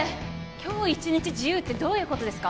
今日一日自由ってどういうことですか？